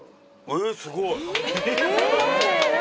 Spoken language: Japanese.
えすごい。